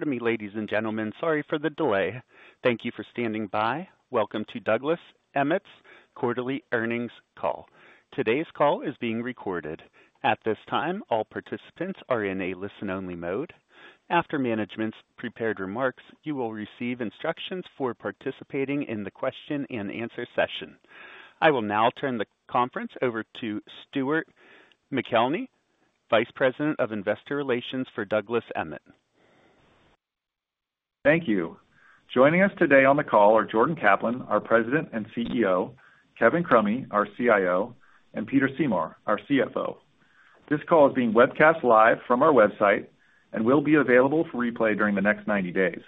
Pardon me, ladies and gentlemen, sorry for the delay. Thank you for standing by. Welcome to Douglas Emmett's quarterly earnings call. Today's call is being recorded. At this time, all participants are in a listen-only mode. After management's prepared remarks, you will receive instructions for participating in the question-and-answer session. I will now turn the conference over to Stuart McElhinney, Vice President of Investor Relations for Douglas Emmett. Thank you. Joining us today on the call are Jordan Kaplan, our President and CEO, Kevin Crummy, our CIO, and Peter Seymour, our CFO. This call is being webcast live from our website and will be available for replay during the next 90 days.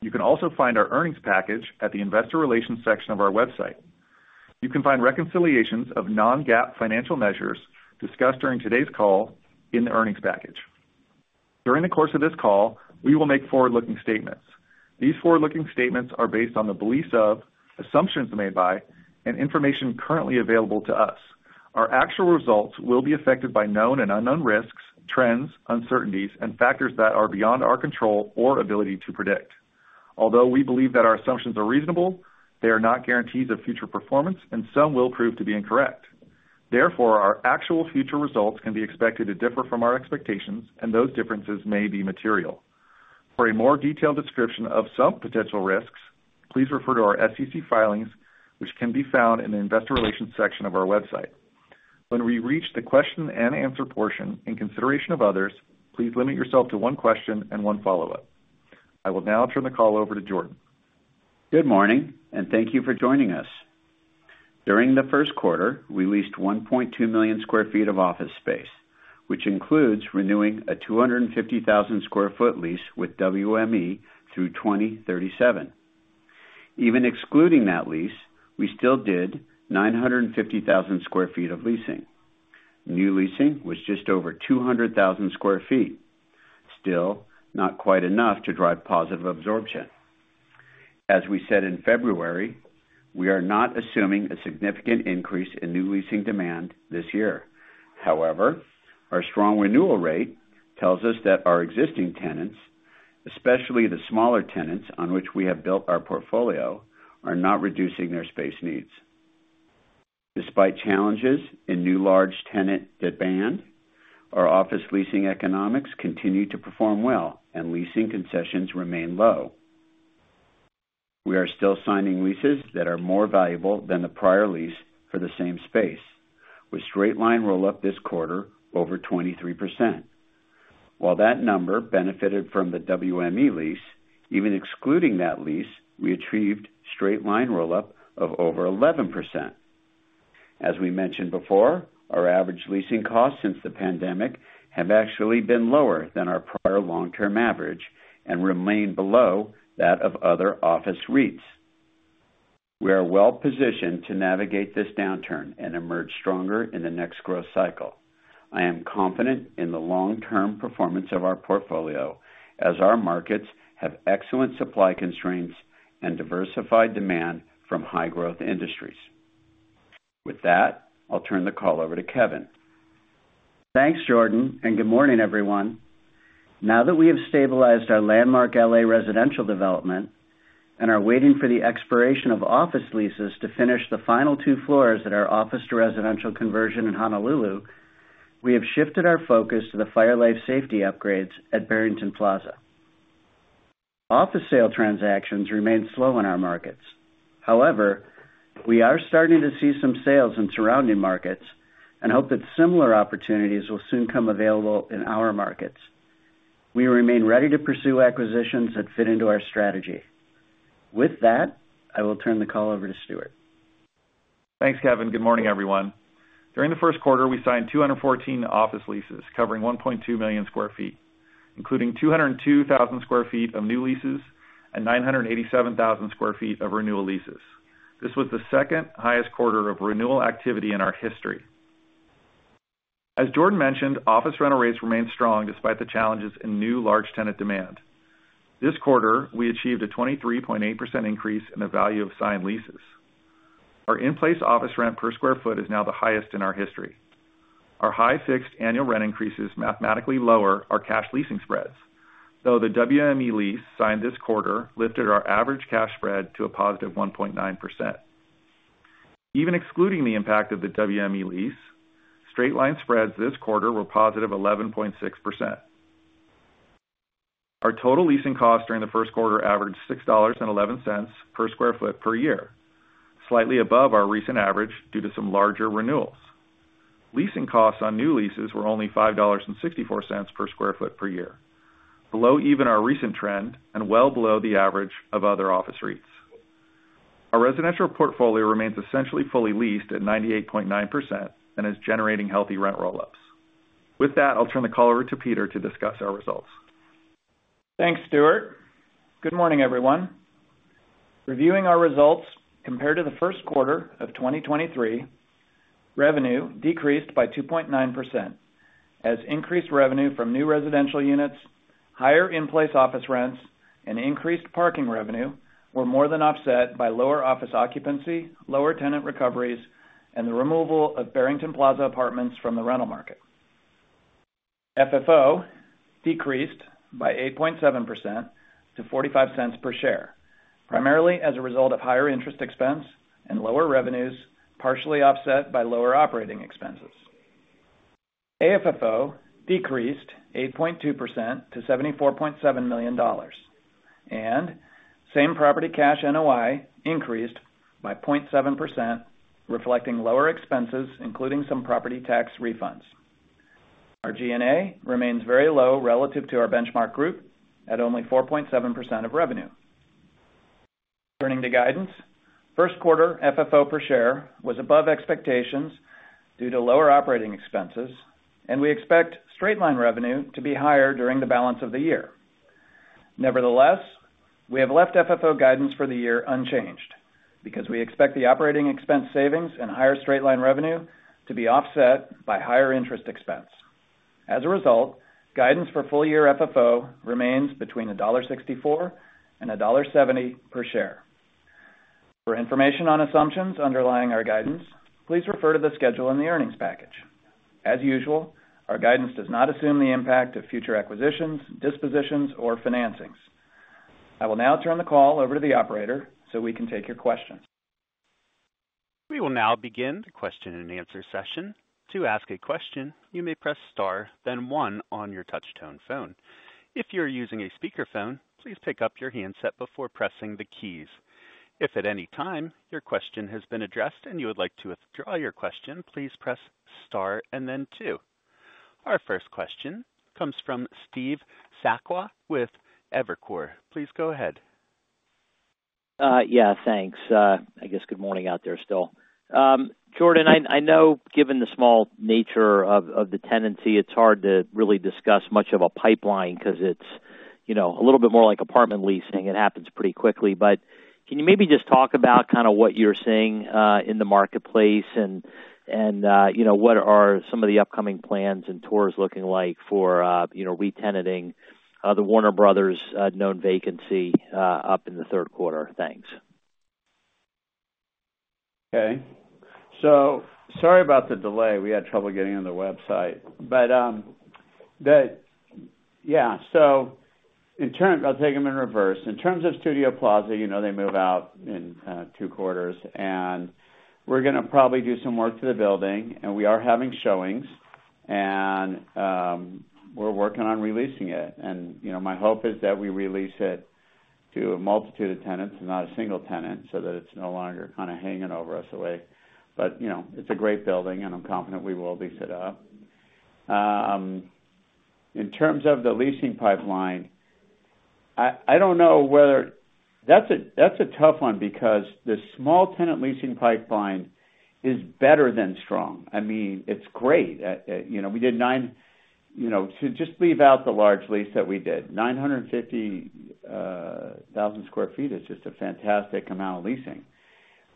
You can also find our earnings package at the Investor Relations section of our website. You can find reconciliations of non-GAAP financial measures discussed during today's call in the earnings package. During the course of this call, we will make forward-looking statements. These forward-looking statements are based on the beliefs of, assumptions made by, and information currently available to us. Our actual results will be affected by known and unknown risks, trends, uncertainties, and factors that are beyond our control or ability to predict. Although we believe that our assumptions are reasonable, they are not guarantees of future performance, and some will prove to be incorrect. Therefore, our actual future results can be expected to differ from our expectations, and those differences may be material. For a more detailed description of some potential risks, please refer to our SEC filings, which can be found in the Investor Relations section of our website. When we reach the question-and-answer portion in consideration of others, please limit yourself to one question and one follow-up. I will now turn the call over to Jordan. Good morning, and thank you for joining us. During the first quarter, we leased 1.2 million sq ft of office space, which includes renewing a 250,000 sq ft lease with WME through 2037. Even excluding that lease, we still did 950,000 sq ft of leasing. New leasing was just over 200,000 sq ft, still not quite enough to drive positive absorption. As we said in February, we are not assuming a significant increase in new leasing demand this year. However, our strong renewal rate tells us that our existing tenants, especially the smaller tenants on which we have built our portfolio, are not reducing their space needs. Despite challenges in new large tenant demand, our office leasing economics continue to perform well, and leasing concessions remain low. We are still signing leases that are more valuable than the prior lease for the same space, with straight-line roll-up this quarter over 23%. While that number benefited from the WME lease, even excluding that lease, we achieved straight-line roll-up of over 11%. As we mentioned before, our average leasing costs since the pandemic have actually been lower than our prior long-term average and remain below that of other office REITs. We are well positioned to navigate this downturn and emerge stronger in the next growth cycle. I am confident in the long-term performance of our portfolio, as our markets have excellent supply constraints and diversified demand from high-growth industries. With that, I'll turn the call over to Kevin. Thanks, Jordan, and good morning, everyone. Now that we have stabilized our Landmark L.A. residential development and are waiting for the expiration of office leases to finish the final two floors at our office-to-residential conversion in Honolulu, we have shifted our focus to the fire/life safety upgrades at Barrington Plaza. Office sale transactions remain slow in our markets. However, we are starting to see some sales in surrounding markets and hope that similar opportunities will soon come available in our markets. We remain ready to pursue acquisitions that fit into our strategy. With that, I will turn the call over to Stuart. Thanks, Kevin. Good morning, everyone. During the first quarter, we signed 214 office leases covering 1.2 million sq ft, including 202,000 sq ft of new leases and 987,000 sq ft of renewal leases. This was the second highest quarter of renewal activity in our history. As Jordan mentioned, office rental rates remain strong despite the challenges in new large tenant demand. This quarter, we achieved a 23.8% increase in the value of signed leases. Our in-place office rent per sq ft is now the highest in our history. Our high fixed annual rent increases mathematically lower our cash leasing spreads, though the WME lease signed this quarter lifted our average cash spread to a positive 1.9%. Even excluding the impact of the WME lease, straight-line spreads this quarter were positive 11.6%. Our total leasing costs during the first quarter averaged $6.11 per sq ft per year, slightly above our recent average due to some larger renewals. Leasing costs on new leases were only $5.64 per sq ft per year, below even our recent trend and well below the average of other office REITs. Our residential portfolio remains essentially fully leased at 98.9% and is generating healthy rent roll-ups. With that, I'll turn the call over to Peter to discuss our results. Thanks, Stuart. Good morning, everyone. Reviewing our results compared to the first quarter of 2023, revenue decreased by 2.9% as increased revenue from new residential units, higher in-place office rents, and increased parking revenue were more than offset by lower office occupancy, lower tenant recoveries, and the removal of Barrington Plaza apartments from the rental market. FFO decreased by 8.7% to $0.45 per share, primarily as a result of higher interest expense and lower revenues partially offset by lower operating expenses. AFFO decreased 8.2% to $74.7 million, and same property cash NOI increased by 0.7%, reflecting lower expenses, including some property tax refunds. Our G&A remains very low relative to our benchmark group at only 4.7% of revenue. Turning to guidance, first quarter FFO per share was above expectations due to lower operating expenses, and we expect straight-line revenue to be higher during the balance of the year. Nevertheless, we have left FFO guidance for the year unchanged because we expect the operating expense savings and higher straight-line revenue to be offset by higher interest expense. As a result, guidance for full year FFO remains between $1.64 and $1.70 per share. For information on assumptions underlying our guidance, please refer to the schedule in the earnings package. As usual, our guidance does not assume the impact of future acquisitions, dispositions, or financings. I will now turn the call over to the operator so we can take your questions. We will now begin the question-and-answer session. To ask a question, you may press star, then one on your touch-tone phone. If you're using a speakerphone, please pick up your handset before pressing the keys. If at any time your question has been addressed and you would like to withdraw your question, please press star and then two. Our first question comes from Steve Sakwa with Evercore ISI. Please go ahead. Yeah, thanks. I guess good morning out there still. Jordan, I know given the small nature of the tenancy, it's hard to really discuss much of a pipeline because it's a little bit more like apartment leasing. It happens pretty quickly. But can you maybe just talk about kind of what you're seeing in the marketplace and what are some of the upcoming plans and tours looking like for re-tenanting the Warner Bros.' known vacancy up in the third quarter? Thanks. Okay. So sorry about the delay. We had trouble getting on the website. But yeah, so I'll take them in reverse. In terms of Studio Plaza, they move out in two quarters, and we're going to probably do some work to the building. We are having showings, and we're working on releasing it. My hope is that we release it to a multitude of tenants and not a single tenant so that it's no longer kind of hanging over us in a away. But it's a great building, and I'm confident we will lease it up. In terms of the leasing pipeline, I don't know whether that's a tough one because the small tenant leasing pipeline is better than strong. I mean, it's great. We did nine deals, just leaving out the large lease that we did. 950,000 sq ft is just a fantastic amount of leasing.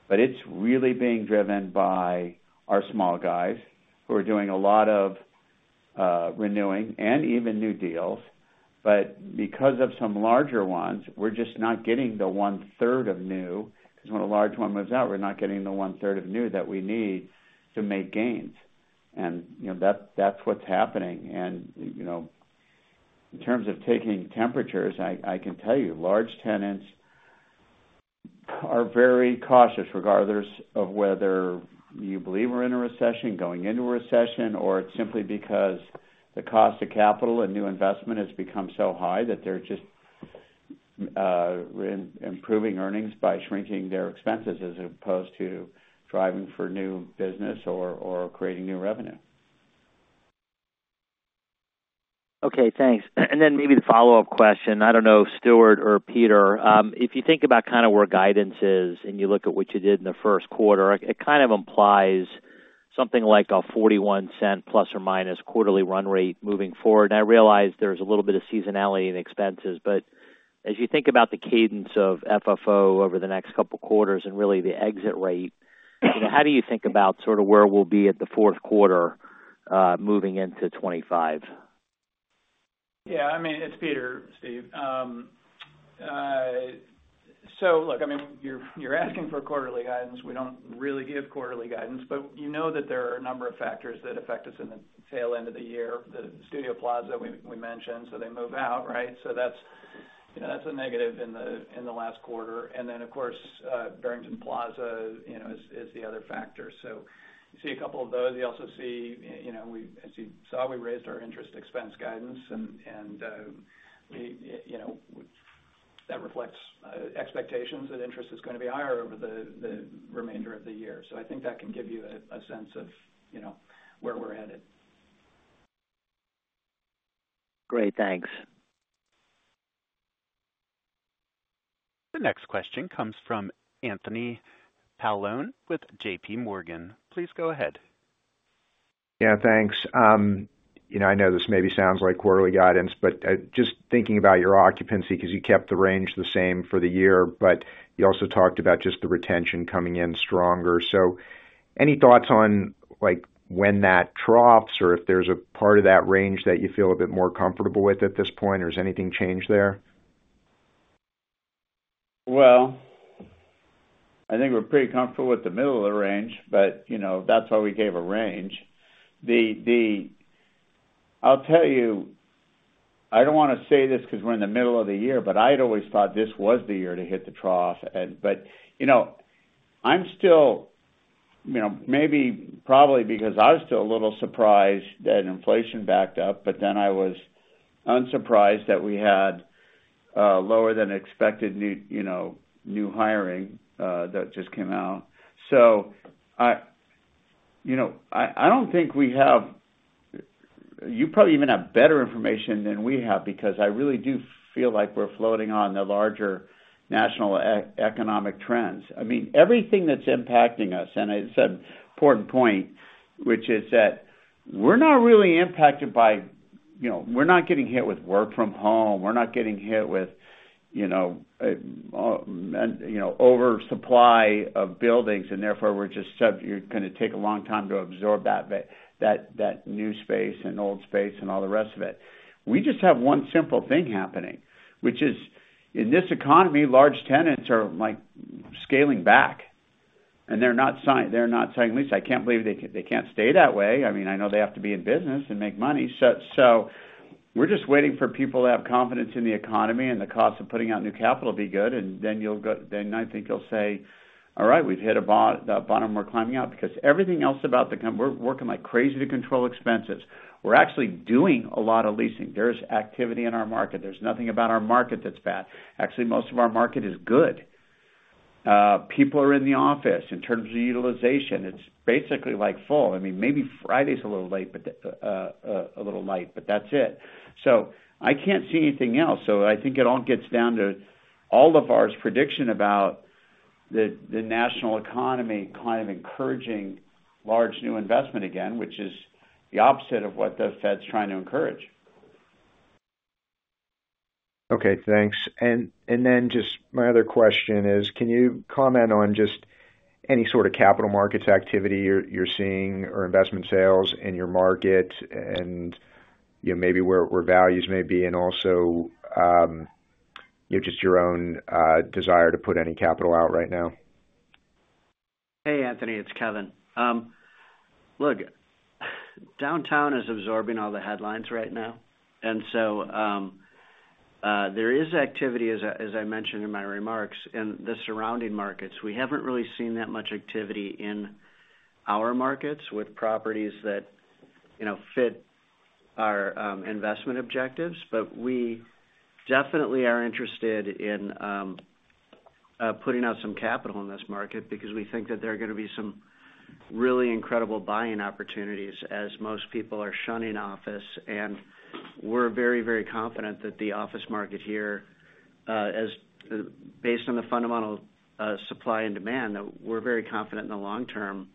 But it's really being driven by our small guys who are doing a lot of renewing and even new deals. But because of some larger ones, we're just not getting the 1/3 of new because when a large one moves out, we're not getting the 1/3 of new that we need to make gains. And that's what's happening. And in terms of taking temperatures, I can tell you large tenants are very cautious regardless of whether you believe we're in a recession, going into a recession, or it's simply because the cost of capital and new investment has become so high that they're just improving earnings by shrinking their expenses as opposed to driving for new business or creating new revenue. Okay, thanks. And then maybe the follow-up question. I don't know, Stuart or Peter. If you think about kind of where guidance is and you look at what you did in the first quarter, it kind of implies something like a $0.41 ± quarterly run rate moving forward. And I realize there's a little bit of seasonality in expenses. But as you think about the cadence of FFO over the next couple of quarters and really the exit rate, how do you think about sort of where we'll be at the fourth quarter moving into 2025? Yeah, I mean, it's Peter, Steve. So look, I mean, you're asking for quarterly guidance. We don't really give quarterly guidance. But you know that there are a number of factors that affect us in the tail end of the year. The Studio Plaza, we mentioned, so they move out, right? So that's a negative in the last quarter. And then, of course, Barrington Plaza is the other factor. So you see a couple of those. You also see, as you saw, we raised our interest expense guidance, and that reflects expectations that interest is going to be higher over the remainder of the year. So I think that can give you a sense of where we're headed. Great, thanks. The next question comes from Anthony Paolone with J.P. Morgan. Please go ahead. Yeah, thanks. I know this maybe sounds like quarterly guidance, but just thinking about your occupancy because you kept the range the same for the year, but you also talked about just the retention coming in stronger. So any thoughts on when that drops or if there's a part of that range that you feel a bit more comfortable with at this point, or has anything changed there? Well, I think we're pretty comfortable with the middle of the range, but that's why we gave a range. I'll tell you, I don't want to say this because we're in the middle of the year, but I'd always thought this was the year to hit the trough. But I'm still maybe probably because I was still a little surprised that inflation backed up, but then I was unsurprised that we had lower than expected new hiring that just came out. So I don't think we have you probably even have better information than we have because I really do feel like we're floating on the larger national economic trends. I mean, everything that's impacting us and it's an important point, which is that we're not really impacted by we're not getting hit with work from home. We're not getting hit with oversupply of buildings, and therefore, we're just you're going to take a long time to absorb that new space and old space and all the rest of it. We just have one simple thing happening, which is in this economy, large tenants are scaling back, and they're not signing leases. I can't believe they can't stay that way. I mean, I know they have to be in business and make money. So we're just waiting for people to have confidence in the economy and the cost of putting out new capital be good. And then I think you'll say, "All right, we've hit a bottom. We're climbing out," because everything else about the we're working crazy to control expenses. We're actually doing a lot of leasing. There's activity in our market. There's nothing about our market that's bad. Actually, most of our market is good. People are in the office. In terms of utilization, it's basically full. I mean, maybe Friday's a little late but a little light, but that's it. So I can't see anything else. So I think it all gets down to all of our prediction about the national economy kind of encouraging large new investment again, which is the opposite of what the Fed's trying to encourage. Okay, thanks. Just my other question is, can you comment on just any sort of capital markets activity you're seeing or investment sales in your market and maybe where values may be and also just your own desire to put any capital out right now? Hey, Anthony. It's Kevin. Look, downtown is absorbing all the headlines right now. And so there is activity, as I mentioned in my remarks, in the surrounding markets. We haven't really seen that much activity in our markets with properties that fit our investment objectives. But we definitely are interested in putting out some capital in this market because we think that there are going to be some really incredible buying opportunities as most people are shunning office. And we're very, very confident that the office market here, based on the fundamental supply and demand, that we're very confident in the long term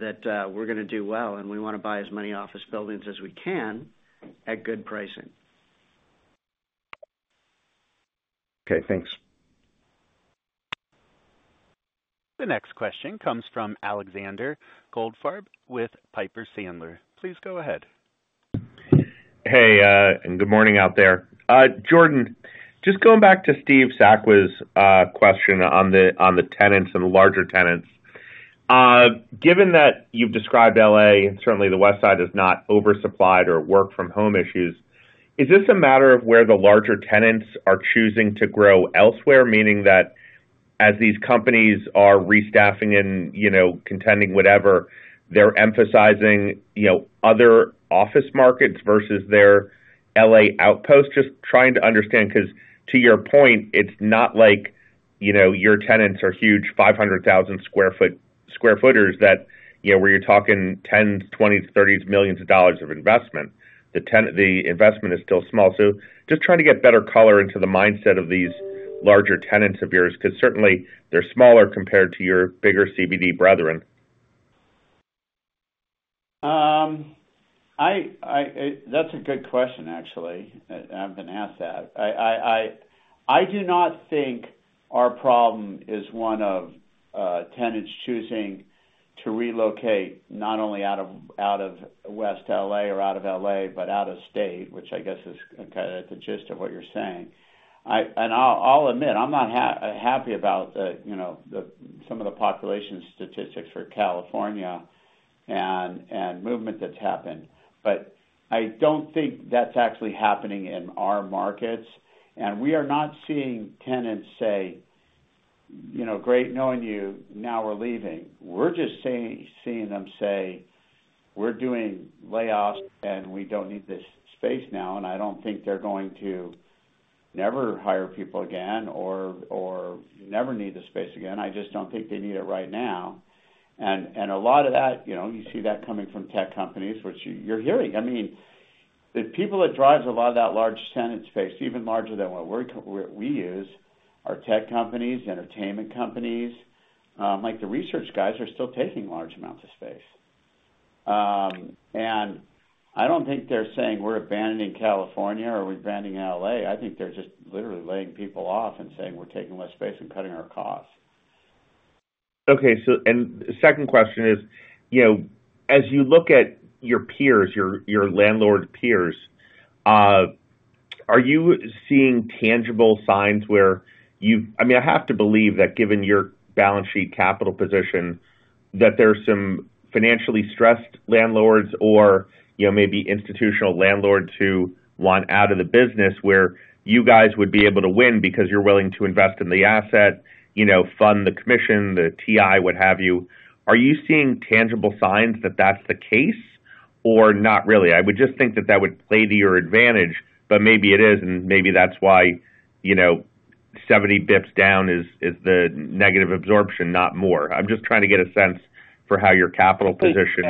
that we're going to do well. And we want to buy as many office buildings as we can at good pricing. Okay, thanks. The next question comes from Alexander Goldfarb with Piper Sandler. Please go ahead. Hey, and good morning out there. Jordan, just going back to Steve Sakwa's question on the tenants and larger tenants, given that you've described L.A. and certainly the Westside is not oversupplied or work-from-home issues, is this a matter of where the larger tenants are choosing to grow elsewhere, meaning that as these companies are restaffing and contending whatever, they're emphasizing other office markets versus their L.A. outpost? Just trying to understand because to your point, it's not like your tenants are huge 500,000 square footers where you're talking $10 million, $20 million, $30 million of investment. The investment is still small. So just trying to get better color into the mindset of these larger tenants of yours because certainly, they're smaller compared to your bigger CBD brethren. That's a good question, actually. I've been asked that. I do not think our problem is one of tenants choosing to relocate not only out of West L.A. or out of L.A., but out of state, which I guess is kind of at the gist of what you're saying. And I'll admit, I'm not happy about some of the population statistics for California and movement that's happened. But I don't think that's actually happening in our markets. And we are not seeing tenants say, "Great knowing you. Now we're leaving." We're just seeing them say, "We're doing layoffs, and we don't need this space now." And I don't think they're going to never hire people again or never need the space again. I just don't think they need it right now. And a lot of that, you see that coming from tech companies, which you're hearing. I mean, the people that drive a lot of that large tenant space, even larger than what we use, are tech companies, entertainment companies. The research guys are still taking large amounts of space. And I don't think they're saying, "We're abandoning California," or, "We're abandoning LA." I think they're just literally laying people off and saying, "We're taking less space and cutting our costs. Okay. The second question is, as you look at your peers, your landlord peers, are you seeing tangible signs where you've, I mean, I have to believe that given your balance sheet capital position, that there's some financially stressed landlords or maybe institutional landlords who want out of the business where you guys would be able to win because you're willing to invest in the asset, fund the commission, the TI, what have you. Are you seeing tangible signs that that's the case or not really? I would just think that that would play to your advantage, but maybe it is. And maybe that's why 70 basis points down is the negative absorption, not more. I'm just trying to get a sense for how your capital position.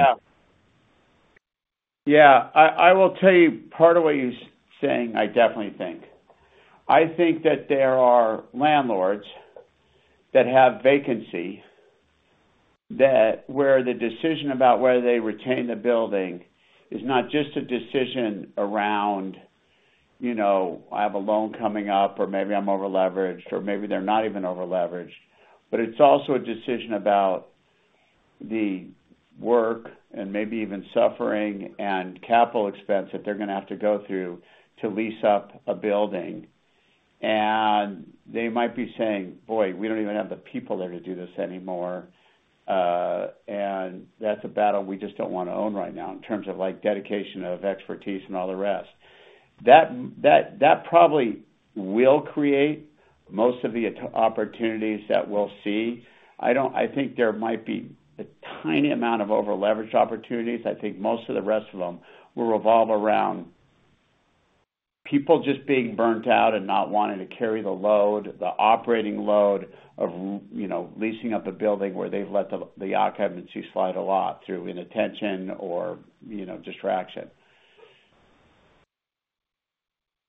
Yeah. I will tell you part of what you're saying, I definitely think. I think that there are landlords that have vacancy where the decision about whether they retain the building is not just a decision around, "I have a loan coming up," or, "Maybe I'm overleveraged," or, "Maybe they're not even overleveraged." But it's also a decision about the work and maybe even suffering and capital expense that they're going to have to go through to lease up a building. And they might be saying, "Boy, we don't even have the people there to do this anymore. And that's a battle we just don't want to own right now in terms of dedication of expertise and all the rest." That probably will create most of the opportunities that we'll see. I think there might be a tiny amount of overleveraged opportunities. I think most of the rest of them will revolve around people just being burned out and not wanting to carry the load, the operating load of leasing up a building where they've let the occupancy slide a lot through inattention or distraction.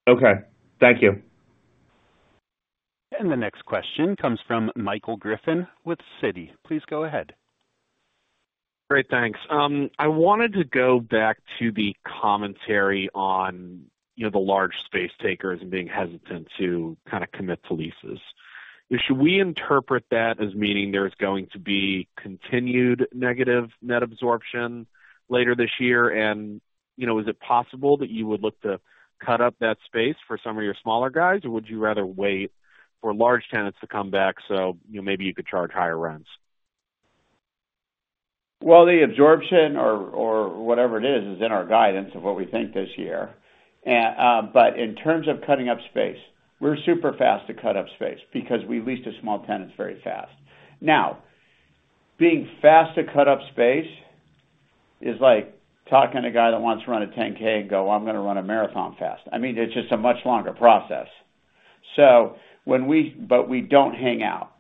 Okay, thank you. The next question comes from Michael Griffin with Citi. Please go ahead. Great, thanks. I wanted to go back to the commentary on the large space takers and being hesitant to kind of commit to leases. Should we interpret that as meaning there's going to be continued negative net absorption later this year? And is it possible that you would look to cut up that space for some of your smaller guys, or would you rather wait for large tenants to come back so maybe you could charge higher rents? Well, the absorption or whatever it is is in our guidance of what we think this year. But in terms of cutting up space, we're super fast to cut up space because we leased to small tenants very fast. Now, being fast to cut up space is like talking to a guy that wants to run a 10K and go, "I'm going to run a marathon fast." I mean, it's just a much longer process. But we don't hang out.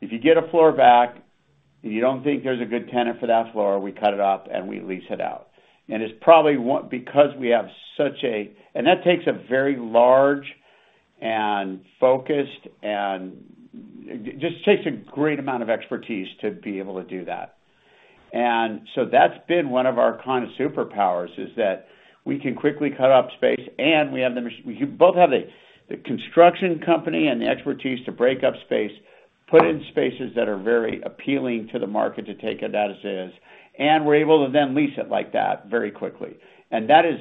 If you get a floor back and you don't think there's a good tenant for that floor, we cut it up, and we lease it out. And it's probably because we have such a and that takes a very large and focused and just takes a great amount of expertise to be able to do that. And so that's been one of our kind of superpowers, is that we can quickly cut up space, and we both have the construction company and the expertise to break up space, put in spaces that are very appealing to the market to take it as is, and we're able to then lease it like that very quickly. And that is,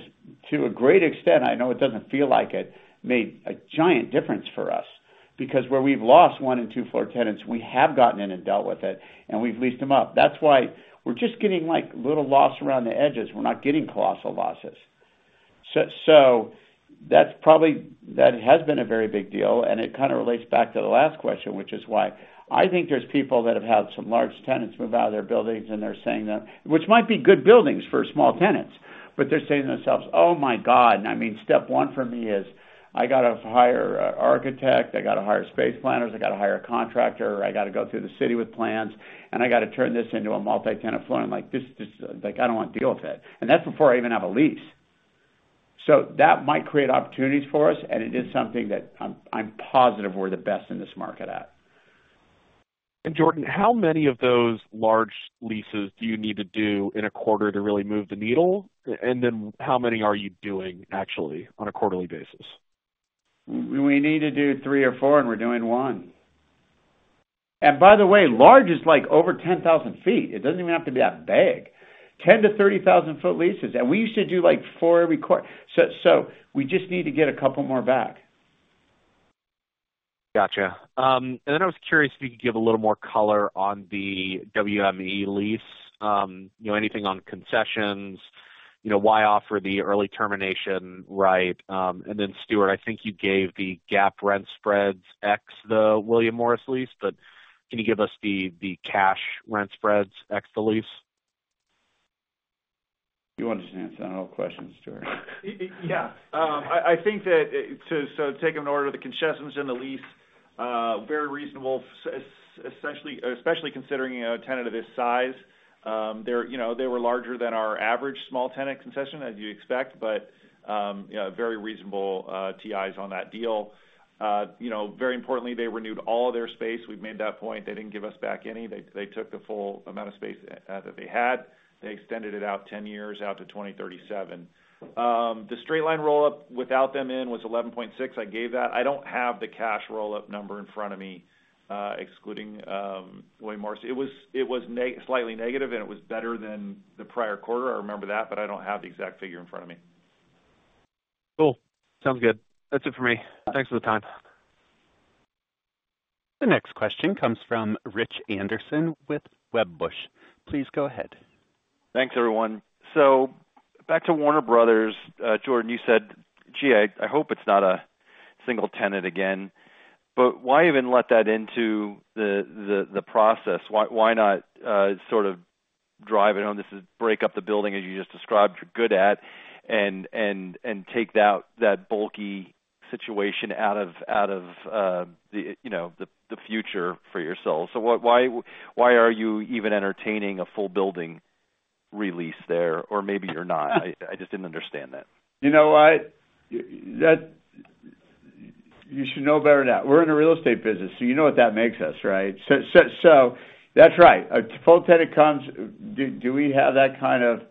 to a great extent, I know it doesn't feel like it, made a giant difference for us because where we've lost one- and two-floor tenants, we have gotten in and dealt with it, and we've leased them up. That's why we're just getting little loss around the edges. We're not getting colossal losses. So that has been a very big deal. And it kind of relates back to the last question, which is why I think there's people that have had some large tenants move out of their buildings, and they're saying that which might be good buildings for small tenants, but they're saying to themselves, "Oh my God." And I mean, step one for me is, "I got to hire an architect. I got to hire space planners. I got to hire a contractor. I got to go through the city with plans. And I got to turn this into a multi-tenant floor. And I don't want to deal with it." And that's before I even have a lease. So that might create opportunities for us, and it is something that I'm positive we're the best in this market at. Jordan, how many of those large leases do you need to do in a quarter to really move the needle? Then how many are you doing actually on a quarterly basis? We need to do 3 or 4, and we're doing 1. And by the way, large is over 10,000 sq ft. It doesn't even have to be that big. 10,000-30,000-sq ft leases. And we used to do 4 every quarter. So we just need to get a couple more back. Gotcha. And then I was curious if you could give a little more color on the WME lease, anything on concessions, why offer the early termination right? And then Stuart, I think you gave the GAAP rent spreads ex the William Morris lease, but can you give us the cash rent spreads ex the lease? You understand. It's not all questions, Stuart. Yeah. I think that, so taking them in order, the concessions and the lease, very reasonable, especially considering a tenant of this size. They were larger than our average small tenant concession, as you expect, but very reasonable TIs on that deal. Very importantly, they renewed all of their space. We've made that point. They didn't give us back any. They took the full amount of space that they had. They extended it out 10 years, out to 2037. The straight-line roll-up without them in was 11.6. I gave that. I don't have the cash roll-up number in front of me, excluding William Morris. It was slightly negative, and it was better than the prior quarter. I remember that, but I don't have the exact figure in front of me. Cool. Sounds good. That's it for me. Thanks for the time. The next question comes from Rich Anderson with Wedbush. Please go ahead. Thanks, everyone. So back to Warner Bros. Jordan, you said, "Gee, I hope it's not a single tenant again." But why even let that into the process? Why not sort of drive it home? This is break up the building, as you just described, you're good at, and take that bulky situation out of the future for yourselves? So why are you even entertaining a full building lease there? Or maybe you're not. I just didn't understand that. You know what? You should know better than that. We're in a real estate business, so you know what that makes us, right? So that's right. A full tenant comes, do we have that kind of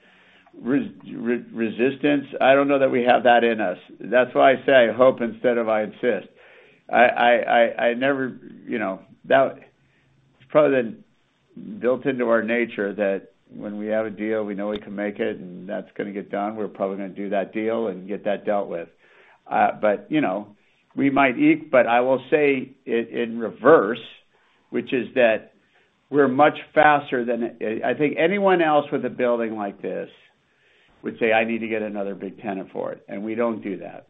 resistance? I don't know that we have that in us. That's why I say, "I hope," instead of, "I insist." It's probably been built into our nature that when we have a deal, we know we can make it, and that's going to get done. We're probably going to do that deal and get that dealt with. But we might eke, but I will say in reverse, which is that we're much faster than I think anyone else with a building like this would say, "I need to get another big tenant for it." And we don't do that.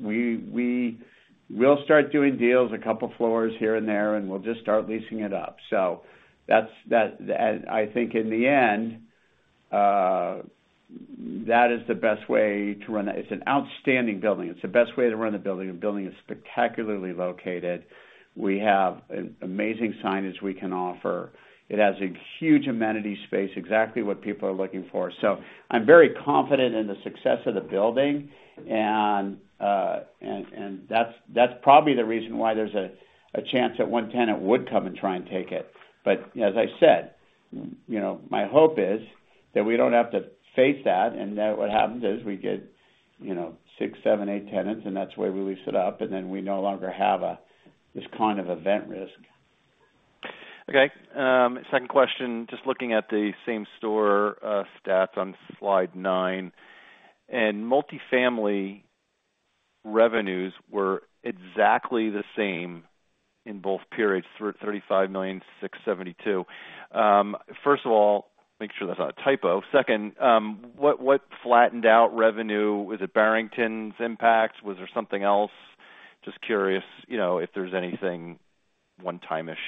We'll start doing deals, a couple of floors here and there, and we'll just start leasing it up. So I think in the end, that is the best way to run it. It's an outstanding building. It's the best way to run the building. The building is spectacularly located. We have amazing signage we can offer. It has a huge amenity space, exactly what people are looking for. So I'm very confident in the success of the building. And that's probably the reason why there's a chance that one tenant would come and try and take it. But as I said, my hope is that we don't have to face that. And then what happens is we get 6, 7, 8 tenants, and that's the way we lease it up. And then we no longer have this kind of event risk. Okay. Second question, just looking at the same store stats on slide 9. And multifamily revenues were exactly the same in both periods, $35,000,672. First of all, make sure that's not a typo. Second, what flattened out revenue? Was it Barrington's impact? Was there something else? Just curious if there's anything one-time-ish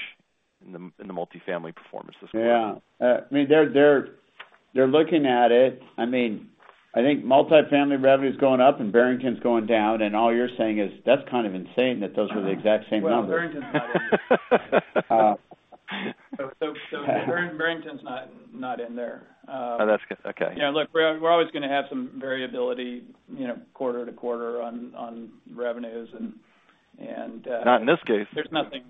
in the multifamily performance this quarter. Yeah. I mean, they're looking at it. I mean, I think multifamily revenue is going up, and Barrington's going down. And all you're saying is, "That's kind of insane, that those were the exact same numbers. Well, Barrington's not in there. So Barrington's not in there. Okay. Yeah. Look, we're always going to have some variability quarter to quarter on revenues, and. Not in this case. There's nothing,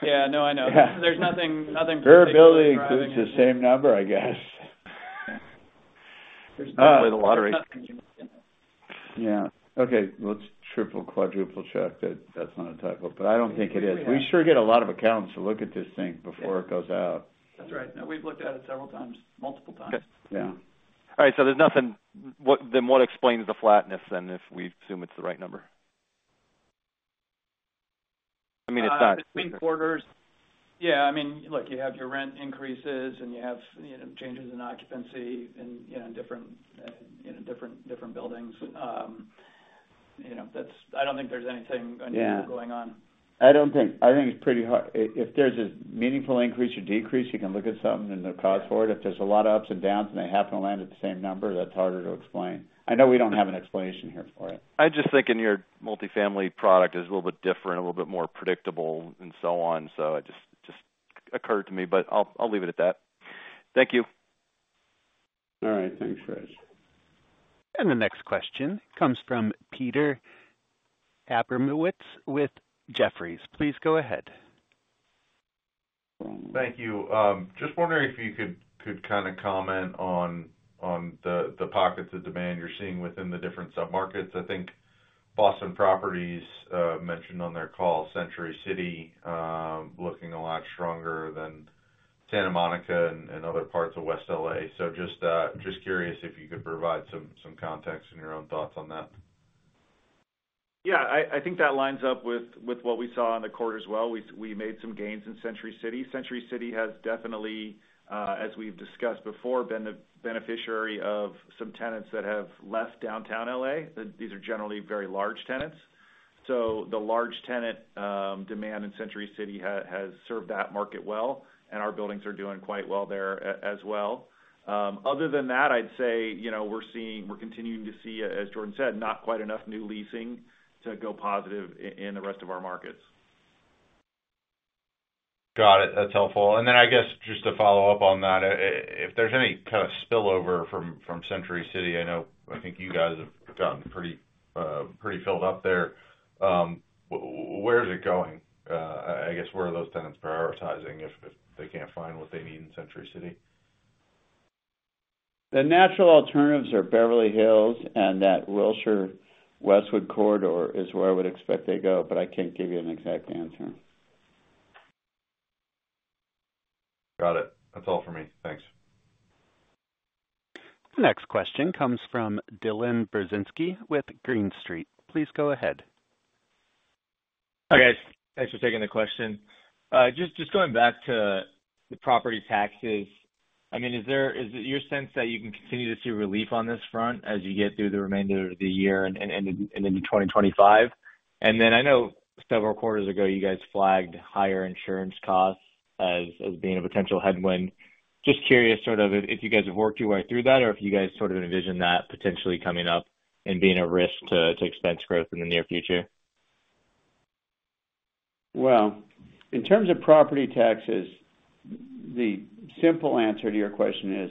yeah, no, I know. There's nothing specific. Variability includes the same number, I guess. There's nothing in there. Yeah. Okay. Let's triple, quadruple check that that's not a typo, but I don't think it is. We sure get a lot of accounts to look at this thing before it goes out. That's right. No, we've looked at it several times, multiple times. Yeah. All right. So there's nothing. Then what explains the flatness then, if we assume it's the right number? I mean, it's not. Between quarters, yeah, I mean, look, you have your rent increases, and you have changes in occupancy in different buildings. I don't think there's anything unusual going on. I think it's pretty hard. If there's a meaningful increase or decrease, you can look at something and the cause for it. If there's a lot of ups and downs and they happen to land at the same number, that's harder to explain. I know we don't have an explanation here for it. I just think in your multifamily product, it's a little bit different, a little bit more predictable, and so on. So it just occurred to me, but I'll leave it at that. Thank you. All right. Thanks, Rich. The next question comes from Peter Abramowitz with Jefferies. Please go ahead. Thank you. Just wondering if you could kind of comment on the pockets of demand you're seeing within the different submarkets. I think Boston Properties mentioned on their call Century City looking a lot stronger than Santa Monica and other parts of West L.A. Just curious if you could provide some context and your own thoughts on that. Yeah. I think that lines up with what we saw in the quarter as well. We made some gains in Century City. Century City has definitely, as we've discussed before, been the beneficiary of some tenants that have left Downtown L.A. These are generally very large tenants. So the large tenant demand in Century City has served that market well, and our buildings are doing quite well there as well. Other than that, I'd say we're continuing to see, as Jordan said, not quite enough new leasing to go positive in the rest of our markets. Got it. That's helpful. And then I guess just to follow up on that, if there's any kind of spillover from Century City I know I think you guys have gotten pretty filled up there. Where is it going? I guess where are those tenants prioritizing if they can't find what they need in Century City? The natural alternatives are Beverly Hills, and that Wilshire-Westwood corridor is where I would expect they go, but I can't give you an exact answer. Got it. That's all for me. Thanks. The next question comes from Dylan Burzinski with Green Street. Please go ahead. Hi guys. Thanks for taking the question. Just going back to the property taxes, I mean, is it your sense that you can continue to see relief on this front as you get through the remainder of the year and into 2025? And then I know several quarters ago, you guys flagged higher insurance costs as being a potential headwind. Just curious sort of if you guys have worked your way through that or if you guys sort of envision that potentially coming up and being a risk to expense growth in the near future. Well, in terms of property taxes, the simple answer to your question is,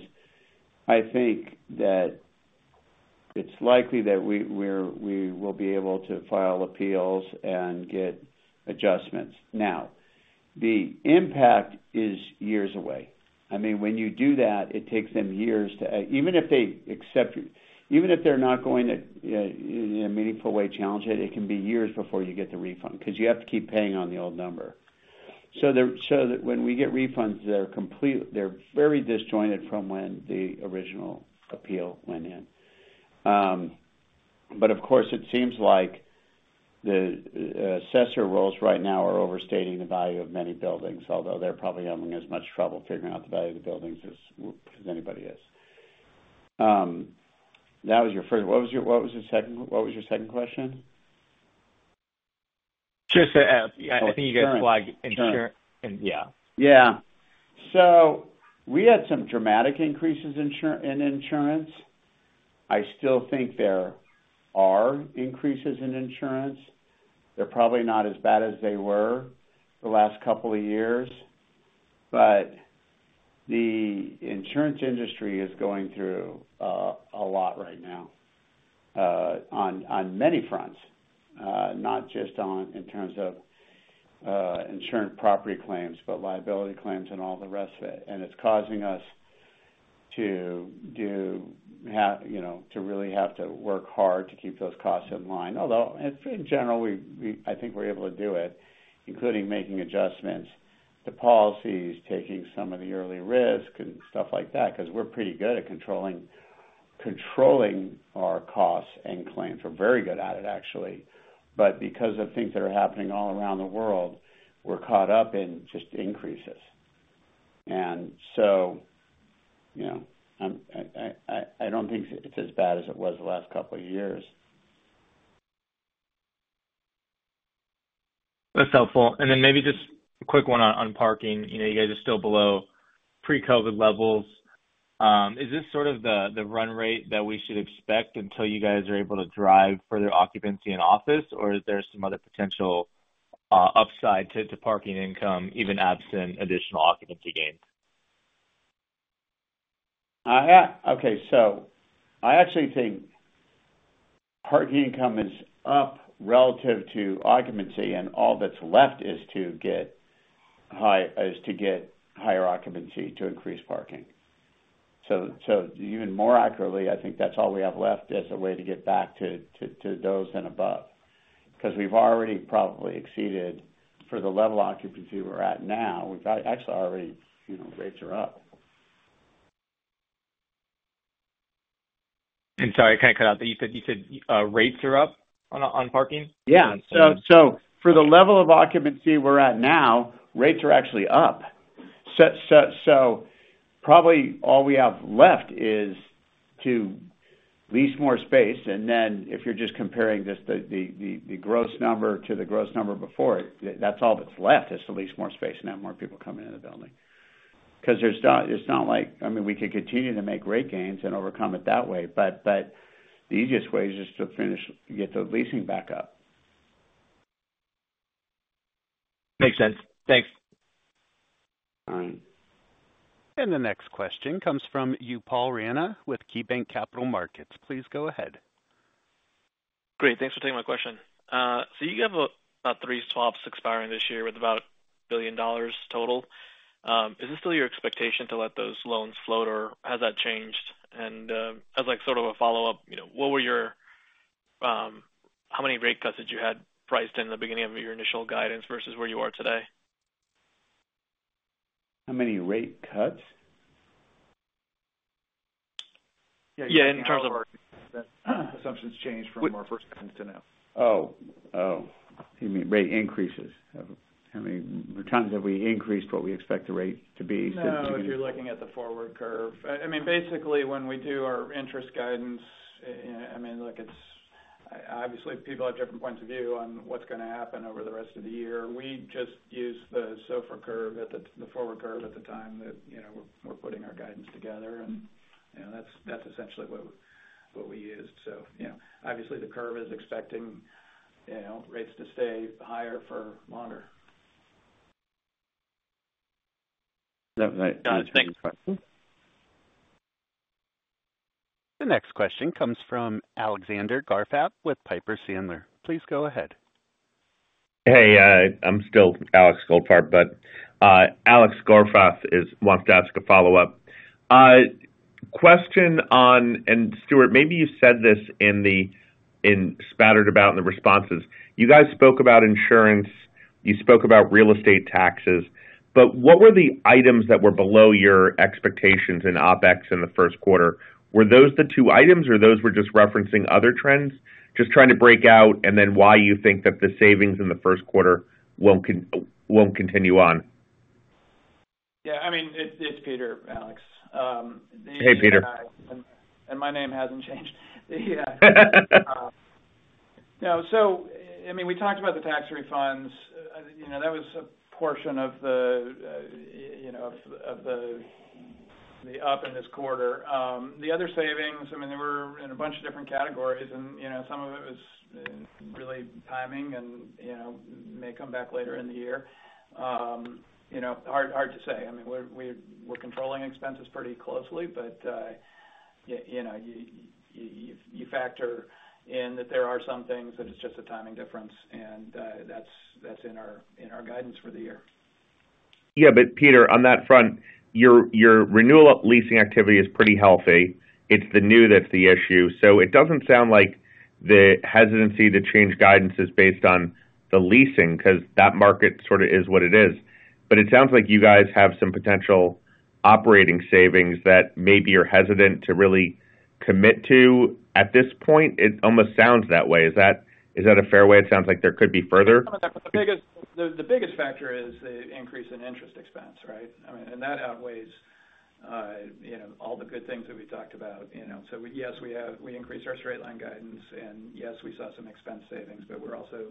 I think that it's likely that we will be able to file appeals and get adjustments. Now, the impact is years away. I mean, when you do that, it takes them years to even if they accept even if they're not going to in a meaningful way challenge it, it can be years before you get the refund because you have to keep paying on the old number. So when we get refunds, they're very disjointed from when the original appeal went in. But of course, it seems like the assessor's rolls right now are overstating the value of many buildings, although they're probably having as much trouble figuring out the value of the buildings as anybody is. That was your first what was the second what was your second question? Just to ask, I think you guys flagged insurance. Yeah. Yeah. So we had some dramatic increases in insurance. I still think there are increases in insurance. They're probably not as bad as they were the last couple of years. But the insurance industry is going through a lot right now on many fronts, not just in terms of insured property claims, but liability claims and all the rest of it. And it's causing us to really have to work hard to keep those costs in line. Although in general, I think we're able to do it, including making adjustments, the policies, taking some of the early risk, and stuff like that because we're pretty good at controlling our costs and claims. We're very good at it, actually. But because of things that are happening all around the world, we're caught up in just increases. I don't think it's as bad as it was the last couple of years. That's helpful. And then maybe just a quick one on parking. You guys are still below pre-COVID levels. Is this sort of the run rate that we should expect until you guys are able to drive further occupancy in office, or is there some other potential upside to parking income, even absent additional occupancy gains? Okay. So I actually think parking income is up relative to occupancy, and all that's left is to get higher occupancy to increase parking. So even more accurately, I think that's all we have left as a way to get back to those and above because we've already probably exceeded for the level occupancy we're at now, we've actually already rates are up. Sorry, I kind of cut out there. You said rates are up on parking? Yeah. So for the level of occupancy we're at now, rates are actually up. So probably all we have left is to lease more space. And then if you're just comparing just the gross number to the gross number before it, that's all that's left is to lease more space and have more people coming into the building because it's not like, I mean, we could continue to make rate gains and overcome it that way, but the easiest way is just to get the leasing back up. Makes sense. Thanks. All right. The next question comes from Upal Rana with KeyBanc Capital Markets. Please go ahead. Great. Thanks for taking my question. So you have about three swaps expiring this year with about $1 billion total. Is this still your expectation to let those loans float, or has that changed? And as sort of a follow-up, how many rate cuts did you have priced in the beginning of your initial guidance versus where you are today? How many rate cuts? Yeah. In terms of. Assumptions changed from our first guidance to now. Oh. Oh. You mean rate increases. How many times have we increased what we expect the rate to be since the beginning? No, but you're looking at the forward curve. I mean, basically, when we do our interest guidance, I mean, look, obviously, people have different points of view on what's going to happen over the rest of the year. We just use the SOFR curve, the forward curve at the time that we're putting our guidance together. And that's essentially what we used. So obviously, the curve is expecting rates to stay higher for longer. That was my second question. The next question comes from Alexander Goldfarb with Piper Sandler. Please go ahead. Hey, I'm still Alex Goldfarb, but Alex Goldfarb wants to ask a follow-up. Question on, and Stuart, maybe you said this scattered about in the responses. You guys spoke about insurance. You spoke about real estate taxes. But what were the items that were below your expectations in OPEX in the first quarter? Were those the two items, or those were just referencing other trends, just trying to break out, and then why you think that the savings in the first quarter won't continue on? Yeah. I mean, it's Peter, Alex. Hey, Peter. And my name hasn't changed. Yeah. No, so I mean, we talked about the tax refunds. That was a portion of the up in this quarter. The other savings, I mean, they were in a bunch of different categories, and some of it was really timing and may come back later in the year. Hard to say. I mean, we're controlling expenses pretty closely, but you factor in that there are some things that it's just a timing difference, and that's in our guidance for the year. Yeah. But Peter, on that front, your renewal leasing activity is pretty healthy. It's the new that's the issue. So it doesn't sound like the hesitancy to change guidance is based on the leasing because that market sort of is what it is. But it sounds like you guys have some potential operating savings that maybe you're hesitant to really commit to at this point. It almost sounds that way. Is that a fair way? It sounds like there could be further. The biggest factor is the increase in interest expense, right? I mean, and that outweighs all the good things that we talked about. So yes, we increased our straight-line guidance, and yes, we saw some expense savings, but we're also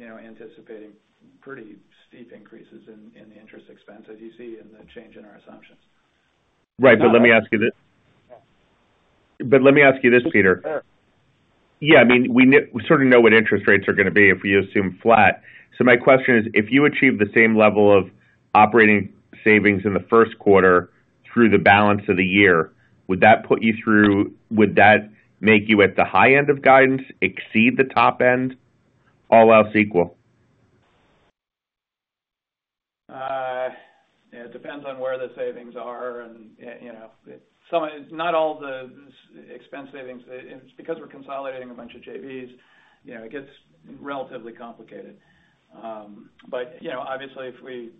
anticipating pretty steep increases in the interest expense, as you see in the change in our assumptions. Right. But let me ask you this. But let me ask you this, Peter. Yeah. I mean, we sort of know what interest rates are going to be if we assume flat. So my question is, if you achieve the same level of operating savings in the first quarter through the balance of the year, would that put you through would that make you at the high end of guidance, exceed the top end, all else equal? It depends on where the savings are. Not all the expense savings because we're consolidating a bunch of JVs, it gets relatively complicated. Obviously, if we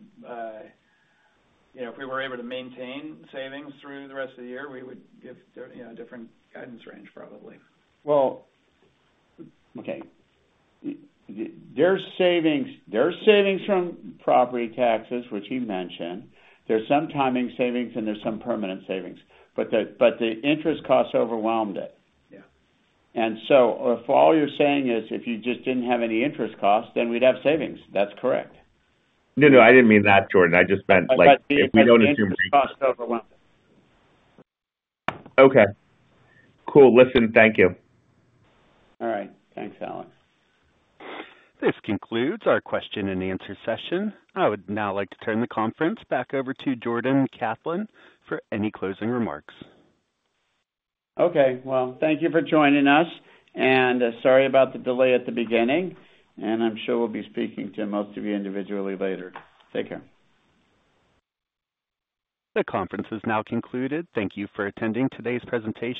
were able to maintain savings through the rest of the year, we would give a different guidance range, probably. Well, okay. There's savings from property taxes, which you mentioned. There's some timing savings, and there's some permanent savings. But the interest costs overwhelmed it. And so if all you're saying is if you just didn't have any interest costs, then we'd have savings. That's correct. No, no. I didn't mean that, Jordan. I just meant if we don't assume rate increases. Okay. Cool. Listen. Thank you. All right. Thanks, Alex. This concludes our question-and-answer session. I would now like to turn the conference back over to Jordan Kaplan for any closing remarks. Okay. Well, thank you for joining us. Sorry about the delay at the beginning, and I'm sure we'll be speaking to most of you individually later. Take care. The conference is now concluded. Thank you for attending today's presentation.